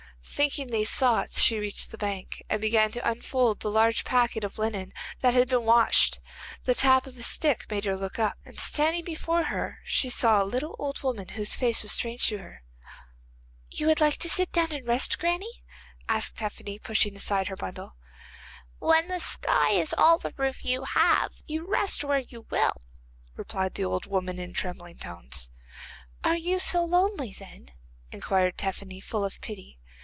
Thinking these thoughts she reached the bank, and began to unfold the large packet of linen that had to be washed. The tap of a stick made her look up, and standing before her she saw a little old woman, whose face was strange to her. 'You would like to sit down and rest, granny?' asked Tephany, pushing aside her bundle. 'When the sky is all the roof you have, you rest where you will,' replied the old woman in trembling tones. 'Are you so lonely, then?' inquired Tephany, full of pity.